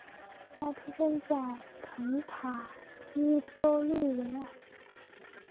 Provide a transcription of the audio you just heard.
他出生在肯塔基州路易维尔。